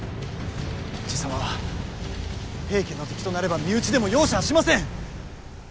爺様は平家の敵となれば身内でも容赦はしません。